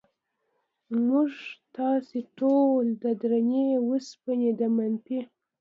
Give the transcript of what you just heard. موږ تاسې ټول د درنې وسپنې د منفي